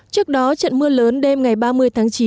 trước đó trận mưa lớn đêm ngày ba mươi tháng chín